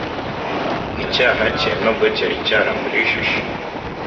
icyaha cye nubwo cyari cyaramurijije,